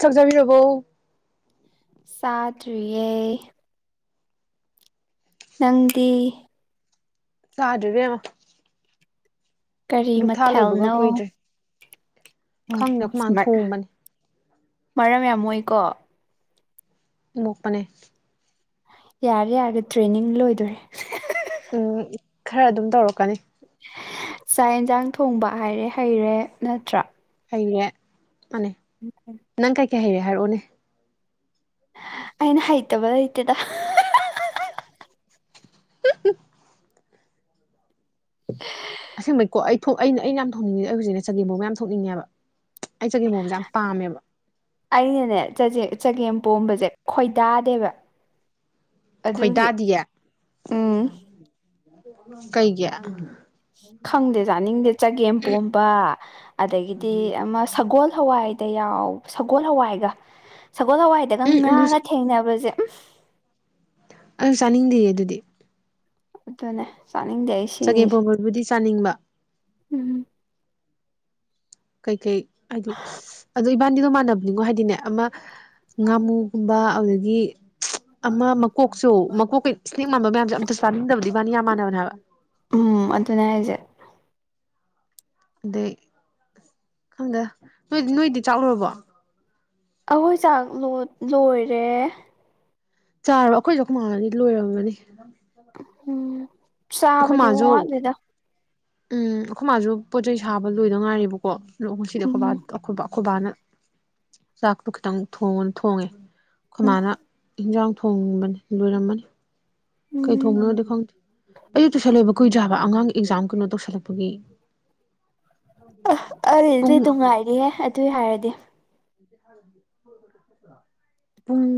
ꯆꯥꯛ ꯆꯥꯕꯤꯔꯕꯣ ꯆꯥꯗ꯭ꯔꯤꯌꯦ ꯅꯪꯗꯤ ꯆꯥꯗ꯭ꯔꯤ ꯏꯕꯦꯝꯃ ꯀꯔꯤ ꯗꯨꯛ ꯊꯥ ꯂꯣꯏꯕꯒ ꯃꯊꯦꯜꯅꯣ ꯀꯨꯏꯗ꯭ꯔꯤ ꯈꯪꯗꯦ ꯑꯩꯈꯣꯏ ꯃꯥꯅ ꯑꯣ ꯊꯣꯡꯕꯅꯦ ꯃꯔꯝ ꯌꯥꯝꯃꯣꯏꯀꯣ ꯃꫭꯛꯄꯅꯦ ꯌꯥꯔꯦ ꯌꯥꯔ‌ꯦ ꯇ꯭ꯔꯦꯅꯤꯡ ꯂꯣꯏꯗꯣꯏꯔꯦ ꯎꯝ ꯈꯔ ꯑꯗꯨꯝ ꯇꯧꯔꯛꯀꯅꯤ ꯆꯥꯛ ꯌꯦꯟꯁꯥꯡ ꯊꯣꯡꯕ ꯍꯥꯏꯔꯦ ꯍꯩꯔꯦ ꯅꯠꯇ꯭ꯔꯥ ꯍꯩꯔꯦ ꯃꯥꯅꯦ ꯅꯪ ꯀꯩꯀꯩ ꯍꯩꯔꯦ ꯍꯥꯏꯔꯛꯑꯣꯅꯦ ꯑꯩꯅ ꯍꯩꯇꯕ ꯂꯩꯇꯦꯗ [unintelligible] ꯎ [unintelligible] ꯑꯁꯦꯡꯕꯩꯀꯣ ꯑꯩ ꯑꯩꯅ ꯑꯩꯅ ꯌꯥꯝ ꯊꯣꯛꯅꯤꯡꯉꯦ ꯑꯩ ꯍꯧꯖꯤꯛꯁ‌ꯦ ꯆꯒꯦꯝ ꯄꫭꯝꯕ ꯌꯥꯝ ꯊꯣꯛꯅꯤꯡꯉꯦꯕ ꯑꯩ ꯆꯒꯦꯝ ꯃꯣꯕꯁꯦ ꯌꯥꯝ ꯄꯥꯝꯃꯦꯕ ꯑꯩꯅꯅꯦ ꯆꯖꯦ ꯆꯒꯦꯝ ꯄꯣꯝꯕꯁꯦ ꯈꯣꯏꯗꯥꯗꯦꯕ ꯑꯗꯨꯒꯤ ꯈꯣꯏꯗꯥꯗꯤꯌꯦ ꯎꯝ ꯀꯩꯒꯤ ꯈꯪꯗꯦ ꯆꯥꯅꯤꯡꯗꯦ ꯆꯒꯦꯝꯄꯣꯝꯕ ꯑꯗꯒꯤꯗꯤ ꯑꯃ ꯁꯒꯣꯜ ꯍꯋꯥꯏꯗ ꯌꯥꯎ ꯁꯒꯣꯜ ꯍꯋꯥꯏꯗ ꯌꯥꯎ ꯁꯒꯣꯜ ꯍꯋꯥꯏꯒ ꯁꯒꯣꯜ ꯍꯋꯥꯏꯗꯒ ꯑꯗꯨ ꯉꯥꯒ ꯊꯦꯡꯅꯕꯁꯦ ꯑꯩꯁꯨ ꯆꯥꯅꯤꯡꯗꯦꯌꯦ ꯑꯗꯨꯗꯤ ꯎꯠꯇꯅꯦ ꯆꯅꯤꯡꯗꯤ ꯆꯒꯦꯝꯄꯣꯝꯕꯕꯨꯗꯤ ꯆꯥꯅꯤꯡꯕ ꯎꯝ ꯀꯩꯀꯩ ꯍꯥꯏꯗꯤ ꯑꯗꯣ ꯏꯕꯥꯅꯤꯗꯣ ꯃꯥꯟꯅꯕꯅꯤꯉꯣ ꯍꯥꯏꯗꯤꯅꯦ ꯑꯃ ꯉꯥꯃꯨꯒꯨꯝꯕ ꯑꯗꯨꯗꯒꯤ ꯑꯃ ꯃꯀꯣꯛꯁꯨ ꯃꯀꯣꯛꯀꯩ ꯏꯁꯅꯦꯛ ꯃꯥꯟꯕ ꯃꯌꯥꯝꯁꯦ ꯑꯟꯇꯔꯁꯇꯥꯅꯤꯡꯗꯕꯗꯤ ꯃꯥꯅꯤ ꯌꯥꯝ ꯃꯥꯟꯅꯕꯅꯦ ꯍꯥꯏꯕ ꯎꯝ ꯑꯗꯨꯅꯦ ꯍꯥꯏꯁꯦ ꯑꯗꯩ ꯈꯪꯗ ꯅꯣꯏꯗꯤ ꯅꯣꯏꯗꯤ ꯆꯥꯛꯂꯨꯔꯕꯣ ꯑꯩꯈꯣꯏ ꯆꯥꯛ ꯂꯣꯏꯔꯦ ꯆꯥꯔꯕ ꯑꯩꯈꯣꯏꯁꯨ ꯃꯥꯟꯂꯅꯤ ꯂꯣꯏꯔꯝꯒꯅꯤ ꯎꯝ ꯆꯥꯕꯗꯤ ꯃꯥꯁꯨ ꯋꯥꯠ ꯂꯤꯗ ꯎꯝ ꯑꯩꯈꯣꯏꯕꯥꯁꯨ ꯄꯣꯠꯆꯩ ꯁꯥꯕ ꯂꯣꯏꯗ ꯉꯥꯏꯦꯕꯀꯣ ꯉꯁꯤꯗꯤ ꯎꯝ ꯑꯩꯈꯣꯏꯕꯈꯣꯏ ꯑꯩꯈꯣꯏꯕꯥꯅ ꯆꯥꯛꯇꯣ ꯈꯤꯇꯪ ꯊꯣꯡꯉ ꯊꯣꯡꯉꯦ ꯎꯝ ꯈꯨꯃꯅ ꯏꯟꯖꯥꯡ ꯊꯣꯡꯕꯅꯤ ꯂꯣꯏꯔꯝꯃꯅꯤ ꯀꯩ ꯎꯝ ꯊꯣꯡꯕꯅꯣꯗꯤ ꯈꯪꯗꯦ ꯑꯌꯨꯛꯇꯨ ꯁ ꯂꯩꯕ ꯀꯨꯏꯗꯔꯦꯍꯥꯕꯥ ꯑꯉꯥꯡ ꯑꯦꯛꯖꯥꯝ ꯀꯩꯅꯣ ꯇꯧꯁꯜꯂꯛꯄꯒꯤ ꯑꯗꯨꯗꯤ ꯄꯨꯨꯡ [unintelligible] ꯑꯗꯨꯏ ꯍꯥꯏꯔꯗꯤ ꯄꯨꯨꯡ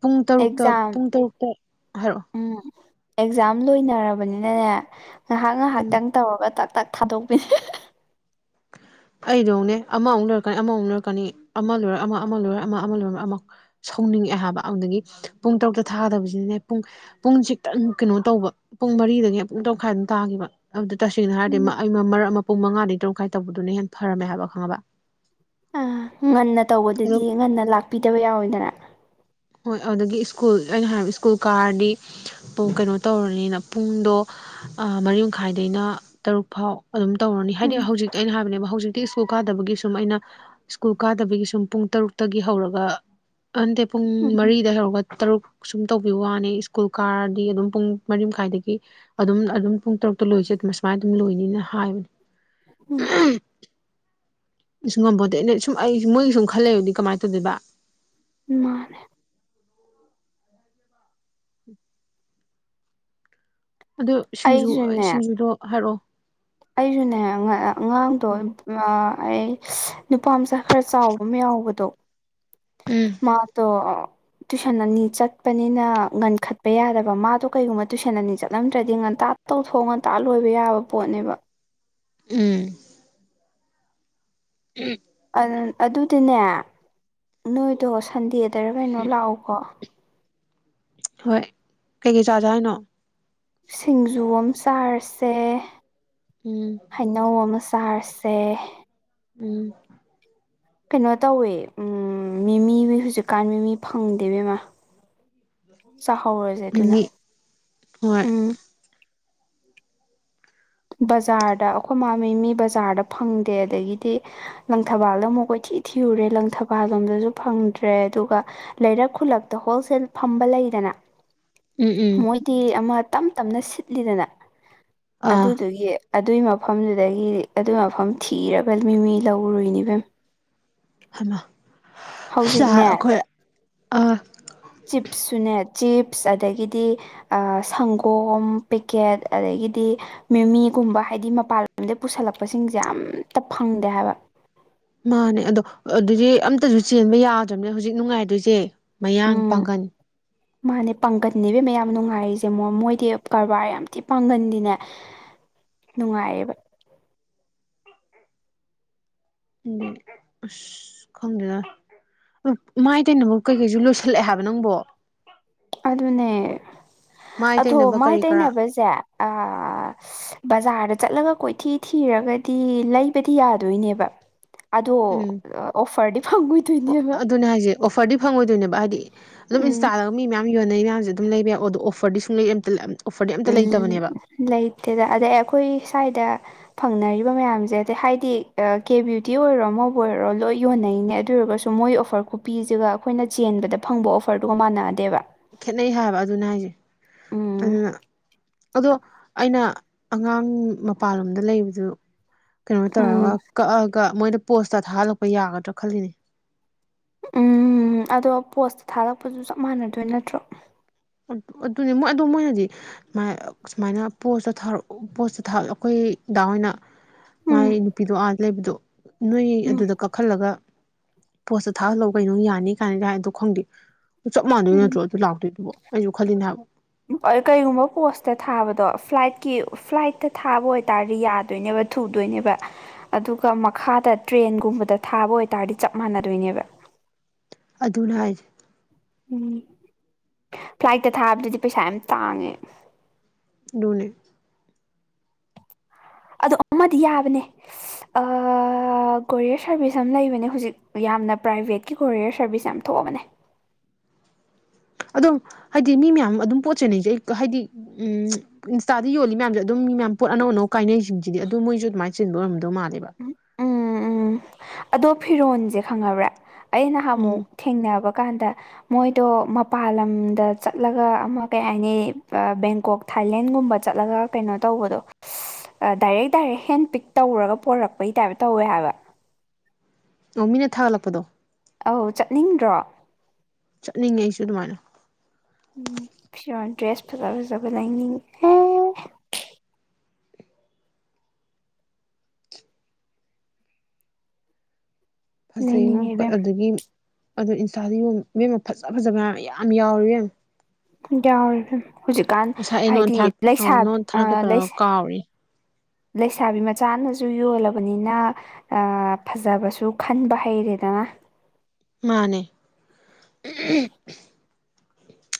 ꯄꯨꯡ ꯇꯔꯨꯛꯇ ꯑꯦꯛꯖꯥꯝ ꯄꯨꯡ ꯇꯔꯨꯛꯇ ꯍꯥꯏꯔꯛꯑꯣ ꯎꯝ ꯑꯦꯛꯖꯥꯝ ꯂꯣꯏꯅꯔꯕꯅꯤꯅꯅꯦ ꯉꯥꯏꯍꯥꯛ ꯎꯝ ꯉꯥꯏꯍꯥꯛꯇꯪ ꯇꯧꯔꯒ ꯇꯥꯛ ꯇꯥꯛ ꯊꯥꯗꯣꯛꯄꯤꯅꯦ ꯑꯩꯗꯧꯅꯦ ꯑꯃꯃꯨꯛ ꯂꯣꯏꯔꯛꯀꯅꯤ ꯑꯃꯃꯨꯛ ꯂꯔꯛꯀꯅꯤ ꯑꯃ ꯂꯣꯏꯔ ꯑꯃ ꯑꯃ ꯂꯣꯏꯔ ꯑꯃ ꯂꯣꯏꯔ ꯑꯃꯨꯛ ꯁꯧꯅꯤꯡꯉꯛꯑꯦ ꯍꯥꯏꯕ ꯑꯗꯨꯗꯒꯤ ꯄꯨꯡ ꯇꯔꯨꯛꯇ ꯊꯥꯒꯗꯕꯁꯤꯅꯅꯦ ꯄꯨꯡ ꯄꯨꯡ ꯈꯤꯛꯇꯪ ꯀꯩꯅꯣ ꯇꯧꯕ ꯄꯨꯡ ꯃꯔꯤꯗꯒꯤ ꯄꯨꯡ ꯇꯔꯈꯥꯏ ꯑꯗꯨꯝ ꯇꯥꯈꯤꯕ ꯑꯗꯨ ꯇꯁꯦꯡꯅ ꯍꯥꯏꯔꯗꯤ ꯎꯝ ꯃꯔ ꯑꯃ ꯄꯨꯡ ꯃꯉꯥꯗꯒꯤ ꯇꯔꯈꯥꯏ ꯇꯧꯕꯗꯣ ꯑꯗꯨꯅ ꯍꯦꯟꯅ ꯐꯔꯝꯃꯦ ꯍꯥꯏꯕ ꯈꯪꯉꯕ ꯑ ꯉꯟꯅ ꯑꯗꯨꯝ ꯇꯧꯕꯗꯗꯤ ꯉꯟꯅ ꯂꯥꯛꯄꯤꯗꯕ ꯌꯥꯎꯏꯗꯅ ꯍꯣꯏ ꯑꯗꯨꯗꯒꯤ ꯁ꯭ꯀꯨꯜ ꯑꯩꯅ ꯍꯥꯏꯔꯤꯕ ꯁ꯭ꯀꯨꯜ ꯀꯥꯔꯗꯤ ꯄꯨꯡ ꯀꯩꯅꯣ ꯇꯧꯔꯅꯤꯅ ꯄꯨꯡꯗꯣ ꯑꯥ ꯃꯔꯤꯃꯈꯥꯏꯗꯩꯅ ꯇꯔꯨꯛ ꯐꯥꯎ ꯑꯗꯨꯝ ꯇꯧꯔꯅꯤ ꯍꯥꯏꯗꯤ ꯎꯝ ꯍꯧꯖꯤꯛ ꯑꯩꯅ ꯍꯥꯏꯕꯅꯦꯕ ꯍꯧꯖꯤꯛꯇꯤ ꯁ꯭ꯀꯨꯜ ꯀꯥꯗꯕꯒꯤ ꯁꯨꯝ ꯑꯩꯅ ꯁ꯭ꯀꯨꯜ ꯀꯥꯗꯕꯒꯤ ꯁꯨꯝ ꯄꯨꯡ ꯇꯔꯨꯛꯇꯒꯤ ꯍꯧꯔꯒ ꯑꯟꯗ ꯄꯨꯡ ꯎꯝ ꯃꯔꯤꯗ ꯍꯧꯔꯒ ꯇꯔꯨꯛ ꯁꯨꯝ ꯇꯧꯕꯤꯕ ꯋꯥꯅꯤ ꯁ꯭ꯀꯨꯜ ꯀꯥꯔꯗꯤ ꯑꯗꯨꯝ ꯄꯨꯡ ꯃꯔꯤ ꯃꯈꯥꯏꯗꯒꯤ ꯑꯗꯨꯝ ꯑꯗꯨꯝ ꯄꯨꯡ ꯇꯔꯨꯛꯇ ꯂꯣꯏꯁꯦ ꯑꯗꯨꯝ ꯑꯁꯨꯃꯥꯏꯅ ꯑꯗꯨꯝ ꯂꯣꯏꯅꯤꯅ ꯍꯥꯏꯕ ꯎꯝ ꯑꯁ ꯉꯝꯝꯕꯣꯗꯤ ꯑꯩꯅ ꯁꯨꯝ ꯑꯩ ꯃꯣꯏꯒꯤ ꯁꯨꯝ ꯈꯜꯂꯕꯗꯤ ꯀꯃꯥꯏꯅ ꯇꯧꯗꯣꯏꯕ ꯃꯥꯅꯦ ꯑꯗꯨꯗ ꯁꯤꯡꯖꯨ ꯑꯩꯁꯨꯅꯦ ꯁꯤꯡꯖꯨꯗꯣ ꯍꯥꯏꯔꯛꯑꯣ ꯑꯩꯁꯨꯅꯦ ꯑꯉꯥꯡꯗꯣ ꯑꯩ ꯅꯨꯄꯥ ꯃꯆꯥ ꯈꯔ ꯆꯥꯎꯕ ꯑꯃ ꯌꯥꯎꯕꯗꯣ [inaudible] ꯎꯝ ꯃꯥꯇꯣ ꯇꯨꯏꯁꯟ ꯑꯅꯤ ꯆꯠꯄꯅꯤꯅ ꯉꯟꯈꯠꯄ ꯌꯥꯗꯕ ꯃꯥꯗꯣ ꯀꯩꯒꯨꯝꯕ ꯇꯨꯏꯁꯟ ꯑꯅꯤ ꯆꯠꯂꯝꯗ꯭ꯔꯗꯤ ꯉꯟꯇꯥ ꯇꯧꯊꯣꯛꯑ ꯉꯟꯇꯥ ꯂꯣꯏꯕ ꯌꯥꯕ ꯄꯣꯠꯅꯦꯕ ꯎꯝ ꯎꯝ ꯑꯗꯨ ꯑꯗꯨꯗꯤꯅꯦ ꯅꯣꯏꯗꯣ ꯁꯟꯗꯦꯗꯔ ꯀꯩꯅꯣ ꯂꯥꯛꯎꯀꯣ ꯍꯣꯏ ꯀꯩꯀꯩ ꯆꯥꯖꯦ ꯍꯥꯏꯅꯣ ꯁꯤꯡꯖꯨ ꯑꯃ ꯆꯥꯔꯁꯦ ꯎꯝ ꯍꯩꯅꯧ ꯑꯃ ꯆꯥꯔꯁꯤ [unintelligible] ꯎꯝ ꯀꯩꯅꯣ ꯇꯧꯋꯦ ꯃꯤꯃꯤ ꯍꯧꯖꯤꯛꯀꯥꯟ ꯃꯤꯃꯤ ꯐꯪꯗꯦ ꯕꯦꯝꯃ ꯆꯥꯍꯧꯔꯖꯦ ꯑꯗꯨꯅ ꯃꯤꯃꯤ ꯍꯣꯏ ꯎꯝ ꯕꯖꯥꯔꯗ ꯑꯩꯈꯣꯏ ꯃꯥ ꯃꯤꯃꯤ ꯕꯖꯥꯔꯗ ꯐꯪꯗꯦ ꯑꯗꯒꯤꯗꯤ ꯂꯪꯊꯕꯥꯜꯗ ꯑꯃꯨꯛ ꯀꯣꯏꯊꯤ ꯊꯤꯔꯨꯔꯦ ꯂꯪꯊꯕꯥꯜ ꯂꯣꯝꯗꯖꯨ ꯐꯪꯗ꯭ꯔꯦ ꯑꯗꯨꯒ ꯂꯩꯔꯛ ꯈꯨꯜꯂꯛꯇ ꯍꯣꯜꯁꯦꯜ ꯐꯝꯕ ꯂꯩꯗꯅ ꯎꯝ ꯎꯝ ꯃꯣꯏꯗꯤ ꯑꯃ ꯇꯞ ꯇꯞꯅ ꯁꯤꯠꯂꯤꯗꯅ ꯑꯥ ꯑꯗꯨꯗꯨꯒꯤ ꯑꯗꯨꯏ ꯃꯐꯝꯗꯨꯗꯒꯤ ꯑꯗꯨꯢ ꯃꯐꯝ ꯊꯤꯔꯒ ꯃꯤꯃꯤ ꯂꯧꯔꯨꯢꯅꯤ ꯢꯕꯦꯝꯃ ꯍꯥꯏꯃ ꯁꯥ ꯍꯧꯖꯤꯛꯅꯦ ꯑꯩꯈꯣꯏ ꯑ ꯆꯤꯞꯁꯁꯨꯅꯦ ꯆꯤꯞꯁ ꯑꯗꯒꯤꯗꯤ ꯑꯥ ꯁꯪꯒꯣꯝ ꯄꯦꯛꯀꯦꯠ ꯑꯗꯒꯤꯗꯤ ꯃꯤꯃꯤꯒꯨꯝꯕ ꯍꯥꯏꯗꯤ ꯃꯄꯥꯟ ꯂꯣꯝꯗꯩ ꯄꯨꯁꯜꯂꯛꯄꯁꯤꯡꯁꯦ ꯑꯝꯇ ꯐꯪꯗꯦ ꯍꯥꯏꯕ ꯃꯥꯅꯦ ꯑꯗꯣ ꯑꯗꯨꯗꯤ ꯑꯝꯇꯁꯨ ꯆꯦꯟꯕ ꯌꯥꯗ꯭ꯔꯕꯅꯦ ꯍꯧꯖꯤꯛ ꯅꯨꯡꯉꯥꯏꯗꯣꯏꯖꯦ ꯃꯌꯥꯡ ꯎꯝ ꯄꯥꯡꯒꯟ ꯃꯥꯅꯦ ꯄꯥꯡꯒꯟꯅꯦ ꯢꯕꯦꯝꯃ ꯌꯥꯝ ꯅꯨꯡꯉꯥꯏꯔꯤꯖꯦ ꯃꯣ ꯃꯣꯏꯗꯤ ꯀꯔꯕꯥꯔ ꯌꯥꯝ ꯊꯤ ꯄꯥꯡꯒꯟꯗꯤꯅꯦ ꯅꯨꯡꯉꯥꯏꯔꯦꯕ ꯎꯝ ꯑꯁ ꯈꯪꯗꯦꯗ ꯃꯥꯏ ꯇꯩꯅꯕ ꯀꯩꯀꯩꯁꯨ ꯂꯣꯏꯁꯤꯜꯂꯛꯑꯦ ꯍꯥꯏꯕ ꯅꯪꯕꯣ ꯑꯗꯨꯅꯦ ꯃꯥꯏ ꯑꯊꯣ ꯇꯩꯅꯕ ꯃꯥꯏ ꯀꯔꯤ ꯀꯔꯥ ꯇꯩꯅꯕꯖꯦ ꯕꯖꯥꯔꯗ ꯆꯠꯂꯒ ꯀꯣꯏꯊꯤ ꯊꯤꯔꯒꯗꯤ ꯂꯩꯕꯗꯤ ꯌꯥꯗꯣꯏꯅꯦꯕ ꯑꯗꯣ ꯎꯝ ꯑꯣꯐꯔꯗꯤ ꯐꯪꯉꯣꯏꯗꯣꯏꯅꯦꯕ ꯑꯗꯨꯅꯦ ꯍꯥꯏꯖꯦ ꯑꯣꯐꯔꯗꯤ ꯐꯪꯉꯣꯏꯗꯣꯏꯅꯦꯕ ꯍꯥꯏꯗꯤ ꯑꯗꯨꯝ ꯎꯝ ꯏꯟꯁꯇꯥꯗ ꯃꯤ ꯃꯌꯥꯝ ꯌꯣꯟꯅꯩ ꯃꯌꯥꯝꯖꯦ ꯑꯗꯨꯝ ꯂꯩꯕ ꯌꯥꯏ ꯑꯗꯣ ꯑꯣꯐꯔꯗꯤ ꯁꯨꯡꯂꯩ ꯑꯃꯇ ꯎꯝ ꯂꯩꯇꯦꯗ ꯑꯗꯩ ꯑꯩꯈꯣꯏ ꯁ꯭ꯋꯥꯏꯗ ꯐꯪꯅꯔꯤꯕ ꯃꯌꯥꯝꯁꯦ ꯑꯗꯩ ꯍꯥꯏꯗꯤ ꯀꯦ ꯕ꯭ꯌꯨꯇꯤ ꯑꯣꯏꯔꯣ ꯑꯃꯕꯨ ꯑꯣꯏꯔꯣ ꯂꯣꯏ ꯌꯣꯟꯅꯩꯅꯦ ꯑꯗꯨ ꯑꯣꯏꯔꯒꯁꯨ ꯗꯣ ꯃꯣꯏ ꯑꯣꯐꯔ ꯈꯨꯄꯤꯖꯤꯒ ꯑꯩꯈꯣꯏꯅ ꯆꯦꯟꯕꯗ ꯐꯪꯕ ꯑꯣꯐꯔꯗꯨꯒ ꯃꯥꯟꯅꯗꯦꯕ ꯈꯦꯠꯅꯩ ꯍꯥꯏꯕ ꯑꯗꯨꯅ ꯍꯥꯏꯖꯦ ꯎꯝ ꯑꯗꯨꯅ ꯑꯗꯣ ꯑꯩꯅ ꯑꯉꯥꯡ ꯃꯄꯥꯟꯂꯣꯝꯗ ꯂꯩꯕꯗꯨ ꯀꯩꯅꯣ ꯎꯝ ꯇꯧꯔꯒ ꯀꯛꯑꯒ ꯃꯣꯏꯗ ꯄꯣꯁꯇ ꯊꯥꯍꯜꯂꯛꯄ ꯌꯥꯒꯗ꯭ꯔ ꯈꯜꯂꯤꯅꯦ ꯎꯝ ꯑꯗꯣ ꯄꯣꯁꯇ ꯊꯥꯍꯜꯂꯛꯄꯖꯨ ꯆꯞ ꯃꯥꯟꯅꯗꯣꯏ ꯅꯠꯇ꯭ꯔꯣ ꯑꯗꯨꯅꯤ ꯃꯣꯏ ꯑꯗꯣ ꯃꯣꯏꯅꯗꯤ ꯁꯨꯃꯥꯏꯅ ꯄꯣꯁꯇ ꯊꯥꯔꯛ ꯄꯣꯠꯇ ꯊꯥꯔꯛ ꯑꯩꯈꯣꯏ ꯗꯥ ꯍꯣꯏꯅ ꯃꯥꯏ ꯎꯝ ꯅꯨꯄꯤꯗꯣ ꯑꯥꯗ ꯂꯩꯕꯗꯣ ꯅꯣꯏ ꯎꯝ ꯑꯗꯨꯗ ꯀꯛ ꯈꯜꯂꯒ ꯄꯣꯁꯇ ꯊꯥꯍꯜꯂꯎ ꯀꯩꯅꯣ ꯌꯥꯅꯤ ꯀꯥꯢꯅꯒ ꯍꯥꯏꯗꯣ ꯈꯪꯗꯦ ꯆꯞ ꯃꯥꯟꯗꯣꯏ ꯎꯝ ꯅꯠꯇ꯭ꯔꯣ ꯑꯗꯨ ꯂꯥꯛꯇꯣꯏꯗꯨꯕ ꯑꯩꯁꯨ ꯈꯜꯂꯤꯅꯦ ꯍꯥꯏꯕ ꯀꯩꯒꯨꯝꯕ ꯄꯣꯁꯇ ꯊꯥꯕꯗꯣ ꯐ꯭ꯂꯥꯏꯠꯀꯤ ꯐ꯭ꯂꯥꯏꯠꯇ ꯊꯥꯕ ꯑꯣꯏꯇꯥꯔꯗꯤ ꯌꯥꯗꯣꯏꯅꯦꯕ ꯊꯨꯗꯣꯏꯅꯦꯕ ꯑꯗꯨꯒ ꯃꯈꯥꯗ ꯇ꯭ꯔꯦꯟꯒꯨꯝꯕꯗ ꯊꯥꯕ ꯑꯣꯏꯇꯥꯔꯗꯤ ꯆꯞ ꯃꯥꯟꯅꯗꯣꯏꯅꯦꯕ ꯑꯗꯨꯅꯦ ꯍꯥꯏꯁꯦ ꯎꯝ ꯐ꯭ꯂꯥꯏꯠꯇ ꯊꯥꯕꯗꯨꯗꯤ ꯄꯩꯁꯥ ꯌꯥꯝ ꯇꯥꯡꯉꯦ ꯗꯨꯅꯦ ꯑꯗꯣ ꯑꯃꯗꯤ ꯌꯥꯕꯅꯦ ꯀꯣꯔꯤꯌꯔ ꯁꯥꯔꯚꯤꯁ ꯑꯃ ꯂꯩꯕꯅꯦ ꯍꯧꯖꯤꯛ ꯌꯥꯝꯅ ꯄ꯭ꯔꯥꯏꯚꯦꯠ ꯀꯤ ꯀꯣꯔꯤꯌꯔ ꯁꯥꯔꯕꯤꯁ ꯌꯥꯝ ꯊꯣꯛꯑꯕꯅꯦ ꯑꯗꯣ ꯍꯥꯏꯗꯤ ꯃꯤ ꯃꯌꯥꯝ ꯑꯗꯨꯝ ꯄꯣꯠ ꯆꯦꯟꯅꯩꯁꯩ ꯑꯩ ꯍꯥꯏꯗꯤ ꯎꯝ ꯏꯟꯁꯇꯥꯗ ꯌꯣꯜꯂꯤ ꯃꯌꯥꯝꯁꯦ ꯑꯗꯨꯝ ꯃꯤ ꯃꯌꯥꯝ ꯄꯣꯠ ꯑꯅꯧ ꯑꯅꯧ ꯀꯥꯏꯅꯩꯁꯤꯡꯁꯤꯗꯤ ꯑꯗꯨ ꯃꯣꯏꯁꯨ ꯑꯗꯨꯃꯥꯏꯅ ꯆꯤꯟꯕ ꯑꯣꯏꯔꯝꯗꯧ ꯃꯥꯜꯂꯦꯕ ꯎꯝ ꯎꯝ ꯎꯝ ꯑꯗꯣ ꯐꯤꯔꯣꯟꯜꯁꯦ ꯈꯪꯉꯕ꯭ꯔꯥ ꯑꯩ ꯅꯍꯥꯟ ꯑꯃꯨꯛ ꯎꯝ ꯊꯦꯡꯅꯕ ꯀꯥꯟꯗ ꯃꯣꯏꯗꯣ ꯃꯄꯥꯥꯟ ꯂꯝꯗ ꯆꯠꯂꯒ ꯑꯃ ꯀꯩ ꯍꯥꯏꯅꯤ ꯕꯦꯡꯀꯣꯛ ꯊꯥꯏꯂꯦꯟꯒꯨꯝꯕ ꯆꯠꯂꯒ ꯀꯩꯅꯣ ꯇꯧꯕꯗꯣ ꯗꯥꯏꯔꯦꯛ ꯗꯥꯏꯔꯦꯛ ꯍꯦꯟ ꯄꯤꯛ ꯇꯧꯔꯒ ꯄꯣꯔꯛꯄꯩ ꯇꯥꯏꯞ ꯇꯧꯋꯦ ꯍꯥꯏꯕ ꯑꯣ ꯃꯤꯅ ꯊꯥꯒꯠꯂꯛꯄꯗꯣ ꯑꯧ ꯆꯠꯅꯤꯡꯗ꯭ꯔꯣ ꯆꯠꯅꯤꯡꯉꯦ ꯑꯩꯁꯨ ꯑꯗꯨꯃꯥꯏꯅ ꯎꯝ ꯐꯤꯔꯣꯟ ꯗ꯭ꯔꯦꯁ ꯐꯖꯥ ꯐꯖꯥ ꯂꯥꯏꯅꯤꯡ ꯑꯦ ꯐꯖꯩꯉꯣ ꯂꯩꯅꯤꯡꯉꯦ ꯏꯕꯦꯝ ꯑꯗꯨꯗꯒꯤ ꯑꯗꯨꯣ ꯏꯟꯁꯥꯗ ꯌꯣꯟ ꯢꯕꯦꯝꯃ ꯐꯖ ꯐꯖꯕ ꯃꯌꯥꯝ ꯌꯥꯝ ꯌꯥꯎꯔꯤ ꯢꯕꯦꯝ ꯌꯥꯎꯔꯦ ꯑ ꯍꯧꯖꯤꯛꯀꯥꯟ ꯉꯁꯥꯏ ꯑꯩ ꯅꯉꯣꯟ ꯍꯥꯏꯗꯤ ꯊꯥꯔꯛ ꯑꯧ ꯂꯩꯁꯥ ꯅꯉꯣꯟ ꯑ ꯊꯥꯔꯛꯀꯦ ꯇꯧꯔꯒ ꯂꯩꯁꯥ ꯀꯥꯎꯔꯤ ꯂꯩꯁꯥꯕꯤ ꯃꯆꯥꯅꯁꯨ ꯌꯣꯜꯂꯕꯅꯤꯅ ꯑ ꯐꯖꯕꯁꯨ ꯈꯟꯕ ꯍꯩꯔꯦꯗꯅ ꯃꯥꯅꯦ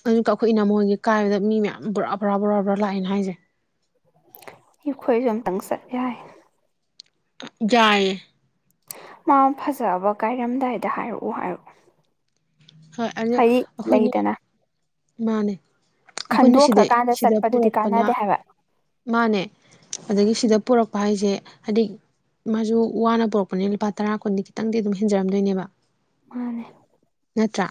ꯑꯗꯨꯒ ꯑꯩꯈꯣꯏ ꯏꯅꯃꯣꯟꯒꯤ ꯀꯥꯏꯕꯗ ꯃꯤ ꯃꯌꯥꯝ ꯕꯣꯔꯥ ꯕꯣꯔꯥ ꯕꯣꯔꯥ ꯂꯥꯛꯑꯦꯅꯦ ꯍꯥꯏꯁꯦ ꯑꯩꯈꯣꯏꯁꯨ ꯑꯝꯇꯪ ꯆꯠ ꯌꯥꯏ ꯌꯥꯢꯌꯦ ꯃꯥ ꯐꯖꯕ ꯀꯥꯏꯔꯝꯗꯥꯏꯗ ꯍꯥꯏꯔꯛꯑꯣ ꯍꯥꯏꯑꯣ ꯍꯣꯏ ꯑꯗꯨ ꯑꯩꯈꯣꯏꯅꯤ ꯂꯩꯗꯅ ꯃꯥꯅꯦ ꯑꯩꯈꯣꯏꯅ ꯁꯤꯗꯩ ꯈꯟꯗꯣꯛꯈ꯭ꯔꯀꯥꯟꯗ ꯁꯤꯗ ꯆꯠꯄꯗꯨꯗꯤ ꯄꯨꯣꯔꯛꯄꯅ ꯀꯥꯟꯅꯗꯦ ꯍꯥꯏꯕ ꯃꯥꯅꯦ ꯑꯗꯒꯤ ꯁꯤꯗ ꯎꯝ ꯄꯨꯔꯛꯄ ꯍꯥꯏꯁꯦ ꯍꯥꯏꯗꯤ ꯃꯥꯁꯨ ꯋꯥꯅ ꯄꯣꯔꯛꯄꯅꯤꯅ ꯂꯨꯄꯥ ꯇꯔꯥ ꯀꯨꯟꯗꯤ ꯈꯤꯇꯪꯗꯤ ꯑꯗꯨꯝ ꯍꯦꯟꯖꯔꯝꯗꯣꯏꯅꯦꯕ ꯃꯥꯅꯦ ꯅꯠꯇ꯭ꯔꯥ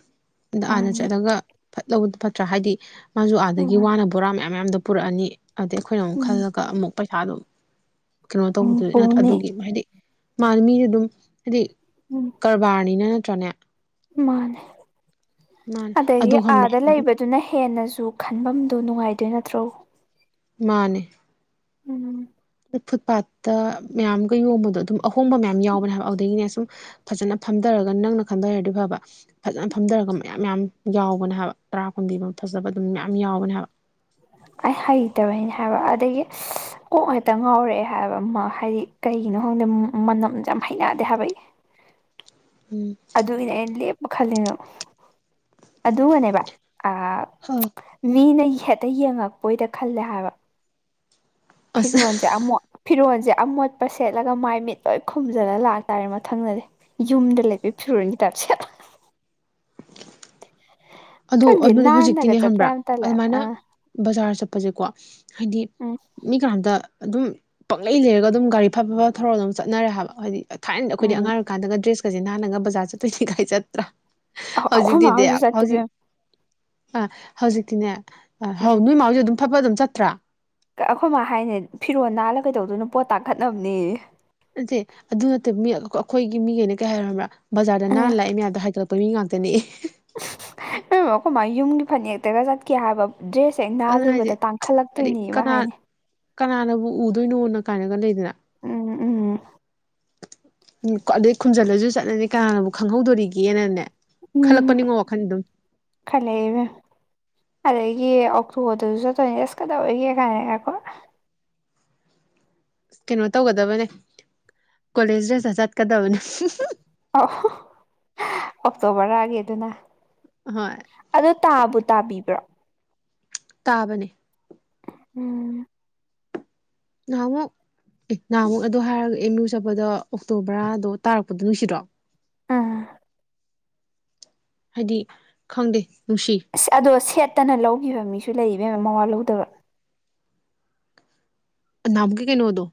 ꯑꯗ ꯃꯥꯅꯤ ꯆꯠꯂꯒ ꯐꯠꯂꯧꯕꯗꯨꯅ ꯐꯠꯇ꯭ꯔꯥ ꯍꯥꯏꯗꯤ ꯃꯥꯁꯨ ꯑꯥꯗꯒꯤ ꯃꯥ ꯋꯥꯅꯕ ꯕꯣꯔꯥ ꯃꯌꯥꯝ ꯃꯌꯥꯝꯗꯣ ꯄꯨꯔꯛꯑꯅꯤ ꯑꯗꯩ ꯑꯩꯈꯣꯏꯅ ꯑꯃꯨꯛ ꯈꯜꯂꯒ ꯑꯃꯨꯛ ꯄꯩꯁꯥ ꯑꯗꯨꯝ ꯀꯩꯅꯣ ꯎꯝ ꯇꯧꯕꯗꯨꯅꯤ ꯄꯨꯅꯤ ꯑꯗꯨꯒꯤ ꯍꯥꯏꯗꯤ ꯃꯥꯁꯨ ꯃꯤꯗꯣ ꯗꯨꯝ ꯍꯥꯏꯗꯤ ꯎꯝ ꯀꯔꯕꯥꯔꯅꯤꯅ ꯅꯠꯇ꯭ꯔꯅꯦ ꯃꯥꯅꯦ ꯃꯥꯅꯦ ꯑꯗꯒꯤ ꯑꯗꯣ ꯈꯪꯕ꯭ꯔꯥ ꯑꯥꯗ ꯑꯗꯨꯝ ꯂꯩꯕꯗꯨꯅ ꯍꯦꯟꯅꯁꯨ ꯈꯟꯐꯝꯗꯣ ꯅꯨꯡꯉꯥꯏꯗꯣꯏ ꯅꯠꯇ꯭ꯔꯣ ꯃꯥꯅꯦ ꯎꯝ ꯐꯨꯠ ꯄꯥꯠꯇ ꯃꯌꯥꯝꯒ ꯌꯣꯟꯕꯗꯣ ꯑꯗꯨꯝ ꯑꯍꯣꯡꯕ ꯃꯌꯥꯝ ꯌꯥꯎꯕꯅꯦ ꯍꯥꯏꯕ ꯑꯗꯨꯗꯒꯤꯅꯦ ꯁꯨꯝ ꯐꯖꯅ ꯐꯝꯊꯔꯒ ꯅꯪꯅ ꯈꯟꯗ ꯍꯥꯏꯔꯗꯤ ꯐꯕ ꯐꯖꯅ ꯐꯝꯊꯔꯒ ꯃꯌꯥꯝ ꯃꯌꯥꯝ ꯌꯥꯎꯕꯅꯦ ꯍꯥꯏꯕ ꯇꯔꯥ ꯀꯨꯟꯕꯤ ꯑꯃ ꯐꯖꯕ ꯑꯗꯨꯝ ꯃꯌꯥꯝ ꯌꯥꯎꯕꯅꯦ ꯍꯥꯏꯕ ꯑꯩ ꯍꯩꯇꯕꯒꯤꯅꯦ ꯍꯥꯏꯕ ꯑꯗꯒꯤ ꯀꯣꯛ ꯉꯦꯛꯇ ꯉꯥꯎꯔꯛꯑꯦ ꯍꯥꯏꯕ ꯑꯃ ꯍꯥꯏꯗꯤ ꯀꯩꯒꯤꯅꯣ ꯈꯪꯗꯦ ꯃꯅꯝꯁꯦ ꯌꯥꯝ ꯍꯩꯩꯅꯗꯦ ꯍꯥꯏꯕ ꯑꯩ ꯎꯝ ꯑꯗꯨꯒꯤꯅꯦ ꯑꯩꯅ ꯂꯦꯞꯄ ꯈꯜꯂꯤꯅꯣ ꯑꯗꯨꯒꯅꯦꯕ ꯑ ꯍꯣꯏ ꯃꯤꯅ ꯍꯦꯠꯇ ꯌꯦꯡꯉꯛꯄꯣꯏꯗ ꯈꯜꯂꯦ ꯍꯥꯏꯕ ꯑꯁ ꯐꯤꯔꯣꯟꯖ‌ꯦ ꯑꯃꯣꯠ ꯐꯤꯔꯣꯟꯖ‌ꯦ ꯑꯃꯣꯠꯄ ꯁꯦꯠꯂꯒ ꯃꯥꯏ ꯃꯤꯠ ꯂꯣꯏ ꯈꯨꯝꯖꯜꯂ ꯂꯥꯛꯇꯥꯥꯔꯦ ꯃꯊꯪꯗꯗꯤ ꯌꯨꯝꯗ ꯂꯩꯕꯩ ꯐꯤꯔꯣꯟꯒꯤ ꯇꯥꯏꯞ ꯁꯦꯠꯂ ꯑꯗꯣ ꯈꯪꯗꯦ ꯑꯗꯨꯅ‌ꯦ ꯅꯥꯟꯅꯒ ꯍꯧꯖꯤꯛꯇꯤꯅꯦ ꯆꯠꯄ ꯈꯪꯕ꯭ꯔꯥ ꯌꯥꯝ ꯇꯜꯂꯦ ꯑꯗꯨꯃꯥꯏꯅ ꯑꯥ ꯕꯖꯥꯔ ꯆꯠꯄꯖ‌ꯦꯀꯣ ꯍꯥꯏꯗꯤ ꯎꯝ ꯃꯤ ꯀꯅꯥꯝꯇ ꯑꯗꯨꯝ ꯄꯛꯂꯩ ꯂꯩꯔꯒ ꯑꯗꯨꯝ ꯒꯥꯔꯤ ꯐꯠ ꯐꯠ ꯊꯧꯔ ꯑꯗꯨꯝ ꯆꯠꯅꯔꯦ ꯍꯥꯏꯕ ꯍꯥꯏꯗꯤ ꯊꯥꯏꯅ ꯑꯈꯣꯏꯗꯤ ꯎꯝ ꯑꯉꯥꯡ ꯑꯣꯏꯔꯤꯀꯥꯟꯗꯒ ꯗ꯭ꯔꯦꯁꯀꯖ‌ꯦ ꯅꯥꯥꯟꯜꯒ ꯕꯥꯖꯔ ꯆꯠꯇꯣꯏꯅꯤ ꯒꯥꯏ ꯆꯠꯇ꯭ꯔꯥ ꯍꯧꯖꯤꯛ ꯑꯩꯈꯣꯏ ꯃꯥ ꯇꯤꯗꯦ ꯍꯣꯏꯁꯨ ꯆꯠꯇꯦ ꯍꯧꯖꯤꯛ ꯏꯕꯦꯝꯃ ꯑꯥ ꯍꯧꯖꯤꯛꯇꯤꯅꯦ ꯑꯥ ꯍꯧ ꯎꯝ ꯅꯣꯏ ꯃꯥꯥ ꯍ‌ꯣꯏꯖꯨ ꯑꯗꯨꯝ ꯐꯠ ꯐꯠ ꯑꯗꯨꯝ ꯆꯠꯇ꯭ꯔꯥ ꯀ ꯑꯈꯣꯏ ꯃꯥ ꯍꯥꯏꯅꯦ ꯐꯤꯔꯣꯜ ꯅꯥꯜꯂ ꯀꯩꯗꯧꯗꯣꯏꯅꯣ ꯄꯣꯠ ꯇꯥꯡꯈꯠꯅꯝꯅꯦ ꯅꯠꯇꯦ ꯑꯗꯨ ꯅꯠꯇꯦ ꯃꯤ ꯑꯈꯣꯏꯒꯤ ꯃꯤꯒꯩꯅ ꯀꯩ ꯍꯥꯏ ꯈꯪꯕ꯭ꯔ ꯕꯖꯥꯔꯗ ꯅꯥꯜ ꯎꯝ ꯂꯥꯛꯏ ꯃꯌꯥꯝꯗꯣ ꯍꯥꯏꯒꯠ ꯄꯃꯤ ꯉꯥꯛꯇꯅ‌ꯦ ꯑꯩꯕ‌ꯣ ꯑꯈꯣꯃꯥꯢ ꯌꯨꯝꯒꯤ ꯐꯅꯦꯛꯇꯒ ꯆꯠꯈꯤ ꯍꯥꯏꯕ ꯗ꯭ꯔꯦꯁ ꯍ‌ꯦꯛ ꯑꯗꯨꯅ ꯍꯥꯏꯁꯦ ꯅꯥꯜꯂꯨꯕꯗ ꯇꯥꯡꯈꯠꯂꯛ ꯍꯥꯏꯗꯤ ꯇꯣꯏꯅꯦꯌꯦ ꯃꯥ ꯀꯅꯥ ꯍꯥꯏꯅꯦ ꯀꯅꯥꯅꯕꯨ ꯎꯗꯣꯏꯅꯣꯅ ꯀꯥꯏꯅꯒ ꯂꯩꯗꯅ ꯎꯝ ꯎꯝ ꯎꯝ ꯀ‌ꯣ ꯑꯗꯩ ꯈꯨꯝꯖꯜꯂꯖꯨ ꯆꯠꯂꯗꯤ ꯀꯅꯥꯅꯕꯨ ꯈꯪꯍꯧꯗꯣꯔꯤꯒꯦꯅꯅꯦ ꯎꯝ ꯈꯜꯂꯛꯄꯅꯤꯉꯣ ꯋꯥꯈꯜ ꯑꯗꯨꯝ ꯈꯟꯂꯦ ꯏꯕꯦꯝ ꯑꯗꯒꯤ ꯑꯣꯛꯇꯣꯗꯁꯨ ꯆꯠꯇꯣꯏꯅꯦ ꯑꯁ ꯀꯗꯧꯋꯦꯒꯦ ꯀꯥꯏꯅꯒ ꯀꯣ ꯀꯩꯅꯣ ꯇꯧꯒꯗꯕꯅꯦ ꯀꯣꯂꯦꯖ ꯗ꯭ꯔꯦꯁꯇ ꯆꯠꯀꯗꯕꯅꯦ ꯑꯣꯛꯇꯣ ꯕꯔꯒꯤ ꯑꯗꯨꯅ ꯑꯍꯣꯏ ꯑꯗꯨ ꯇꯥꯕꯨ ꯇꯥꯕꯤꯕ꯭ꯔꯣ ꯇꯥꯕꯅꯦ ꯎꯝ ꯅꯍꯥꯃꯨꯛ ꯑꯦ ꯅꯍꯥꯃꯨꯛ ꯑꯗꯣ ꯍꯥꯏꯔꯒ ꯑꯦꯝ ꯌꯨ ꯆꯠꯄꯗ ꯑꯣꯛꯇꯣ ꯕꯔꯥꯗꯣ ꯇꯥꯔꯛꯄꯗꯣ ꯅꯨꯡꯁꯤꯗ꯭ꯔꯣ ꯎꯝ ꯍꯥꯏꯗꯤ ꯈꯪꯗꯦ ꯅꯨꯡꯁꯤ ꯑꯁ ꯑꯗꯣ ꯁꯦꯠꯇꯅ ꯂꯧꯒꯤꯕ ꯃꯤꯁꯨ ꯂꯩ ꯏꯕꯦꯝꯃ ꯃꯋꯥ ꯂꯧꯗꯕ ꯑꯥ ꯅꯍꯟꯃꯨꯛꯀꯤ ꯀꯩꯅꯣꯗꯣ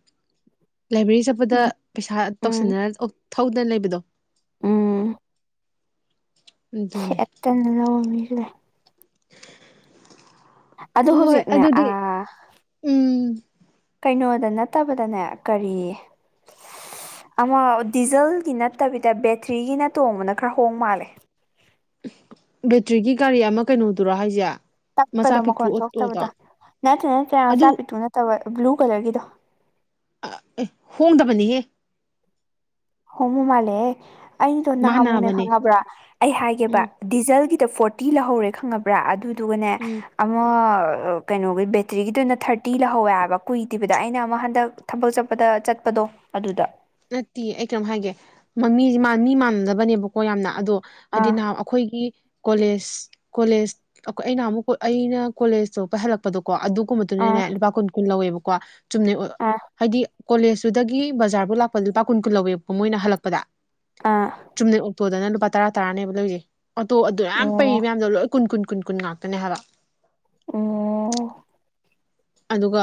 ꯂꯥꯏꯕ꯭ꯔꯦꯔꯤ ꯆꯠꯄꯗ ꯎꯝ ꯄꯩꯁꯥ ꯎꯝ ꯇꯧꯁꯟꯅꯔ ꯑꯣꯛ ꯊꯧꯗꯅ ꯂꯩꯕꯗꯣ ꯎꯝ ꯑꯗꯨꯅꯦ ꯇꯟꯅ ꯂꯧꯕ ꯃꯤꯁꯨ ꯂꯩ ꯑꯗꯨ ꯍꯣꯏ ꯍꯣꯏ ꯍꯧꯖꯤꯛꯅꯦ ꯑꯗꯨꯗꯤ ꯑ ꯎꯝ ꯀꯩꯅꯣꯗ ꯅꯠꯇꯕꯗꯅꯦ ꯀꯔꯤ ꯑꯃꯥ ꯗꯤꯖꯜꯒꯤ ꯅꯠꯇꯕꯤꯗ ꯕꯦꯇ꯭ꯔꯤꯒꯤꯅ ꯇꯣꯡꯕꯅ ꯈꯔ ꯍꯣꯡ ꯃꯥꯜꯂꯦ ꯕꯦꯇ꯭ꯔꯤꯒꯤ ꯒꯥꯔꯤ ꯑꯃꯥ ꯀꯩꯅꯣꯗꯨꯔꯣ ꯍꯥꯏꯖ‌ꯦ ꯇꯞꯄꯗ ꯃꯈꯣꯟ ꯊꯣꯛꯇꯕꯗ‌ꯣ ꯅꯠꯇꯔ‌ꯦ ꯅꯠꯇꯦ ꯑꯗꯨ ꯃꯆꯥ ꯄꯤꯠꯇꯨ ꯅꯠꯇꯕ ꯕ꯭ꯂꯨ ꯀꯂꯔꯒꯤꯗꯣ [unintelligible] ꯍꯣꯡꯗꯕꯅꯤꯍꯦ ꯍꯣꯡꯕ ꯃꯥꯜꯂꯦꯍꯦ ꯑꯩꯗꯣ ꯅꯍꯥꯃꯨꯛꯅꯦ ꯃꯥꯟꯅꯕꯅꯦ ꯈꯪꯉꯕ꯭ꯔꯥ ꯑꯩ ꯍꯥꯏꯒꯦꯕ ꯎꯝ ꯗꯤꯖꯜꯒꯤꯗ ꯐꯣꯔꯇꯤ ꯂꯍꯧꯔꯦ ꯈꯪꯉꯕ꯭ꯔꯥ ꯑꯗꯨꯗꯨꯒꯅꯦ ꯎꯝ ꯑꯃꯥ ꯀꯩꯅꯣꯒꯤ ꯕꯦꯇ꯭ꯔꯤꯒꯤꯗꯨꯅ ꯊꯥꯔꯇꯤ ꯂꯍꯧꯋꯦ ꯍꯥꯏꯕ ꯀꯨꯏꯗꯕꯤꯗ ꯑꯩꯅ ꯑꯃꯥ ꯍꯟꯗꯛ ꯊꯕꯛ ꯆꯠꯄꯗ ꯆꯠꯄꯗꯣ ꯑꯗꯨꯗ ꯅꯠꯇꯦ ꯑꯩ ꯀꯩꯅꯣꯝ ꯍꯥꯏꯒꯦ ꯃꯃꯤ ꯃꯤ ꯃꯥꯟꯅꯗꯕꯅꯦꯕꯀꯣ ꯌꯥꯝꯅ ꯑꯗꯣ ꯍꯥꯏꯗꯤ ꯑꯥ ꯅꯍ ꯑꯩꯈꯣꯏꯒꯤ ꯀꯣꯂꯦꯖ ꯀꯣꯂꯦꯖ ꯑꯧ ꯑꯩꯅ ꯅꯍꯟꯃꯨꯛ ꯀꯣ ꯑꯩꯅ ꯀꯣꯂꯦꯖ ꯆꯠꯄ ꯍꯂꯛꯄꯗꯀꯣ ꯑꯗꯨꯒꯨꯝꯕ ꯑꯥ ꯗꯨꯗꯗꯤꯅꯦ ꯂꯨꯄꯥ ꯀꯨꯟ ꯀꯨꯟ ꯂꯧꯋꯦꯕꯀꯣ ꯆꯨꯝꯅ ꯑꯥ ꯍꯥꯏꯗꯤ ꯀꯣꯂꯦꯖ ꯇꯨꯗꯒꯤ ꯕꯖꯥꯔꯕꯨ ꯂꯛ ꯂꯨꯄꯥ ꯀꯨꯟ ꯀꯨꯟ ꯂꯧꯋꯦꯕꯀꯣ ꯃꯣꯏꯅ ꯍꯜꯂꯛꯄꯗ ꯑꯥ ꯆꯨꯝꯅꯩ ꯑꯣꯛꯇꯣꯗꯅ ꯂꯨꯄꯥ ꯇꯔꯥ ꯇꯔꯥꯅꯦꯕ ꯂꯧꯏꯖꯦ ꯑꯣꯇꯣ ꯑꯗꯨꯌꯥꯝ ꯄꯩꯔꯤ ꯑꯣ ꯃꯌꯥꯝꯗꯣ ꯂꯣꯏ ꯀꯨꯟ ꯀꯨꯟ ꯀꯨꯟ ꯀꯨꯟ ꯉꯥꯛꯇꯅꯦ ꯍꯥꯏꯕ꯫ ꯑꯣ꯫ ꯑꯗꯨꯒ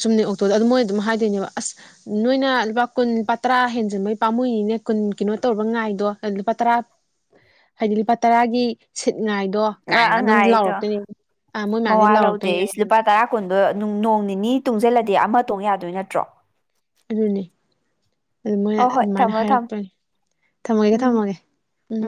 ꯆꯨꯝꯅ ꯑꯣꯛꯇꯣꯗꯣ ꯑꯗꯨ ꯃꯣꯏ ꯑꯗꯨꯝ ꯍꯥꯏꯗꯣꯏꯅꯦꯕ ꯑꯁ ꯅꯣꯏꯅ ꯂꯨꯄꯥ ꯀꯨꯟ ꯂꯨꯄꯥ ꯇꯔꯥ ꯍꯦꯟꯖꯤꯟꯕꯩ ꯄꯥꯝꯃꯨꯅꯤꯅꯦ ꯀꯨꯟ ꯀꯩꯅꯣ ꯇꯧꯔꯕ ꯉꯥꯏꯗꯣ ꯂꯨꯄꯥ ꯇꯔꯥ ꯍꯥꯏꯗꯤ ꯂꯨꯄꯥ ꯇꯔꯥꯒꯤ ꯁꯤꯠꯉꯥꯏꯗꯣ ꯀꯥꯏꯅꯒ ꯑꯣ ꯑꯗꯨꯝ ꯉꯥꯏꯔꯤꯗꯣ ꯂꯥꯎꯔꯛꯇꯣꯏꯅꯦꯕ ꯑꯥ ꯃꯣꯏ ꯃꯋꯥ ꯃꯌꯥꯝꯁꯤ ꯂꯧꯗꯦ ꯏꯁ ꯂꯥꯎꯔꯛꯇꯣꯏꯅꯦꯕ꯫ ꯂꯨꯄꯥ ꯇꯔꯥ ꯀꯨꯟꯗꯣ ꯅꯣꯡ ꯅꯤꯅꯤ ꯇꯨꯡꯁꯤꯜꯂꯗꯤ ꯑꯃꯥ ꯇꯣꯡ ꯌꯥꯗꯣꯏ ꯅꯠꯇ꯭ꯔꯣ꯫ ꯑꯗꯨꯅꯦ꯫ ꯑꯗꯨ ꯃꯣꯏꯅ ꯍꯣꯏ ꯍꯣꯏ ꯑꯗꯨꯃꯥꯏꯅ ꯊꯝꯃꯣ ꯊꯝꯃꯣ ꯍꯥꯏꯔꯛꯄꯅꯤ ꯊꯝꯃꯒꯦ ꯎꯝ ꯊꯝꯃꯒꯦ ꯎꯝ꯫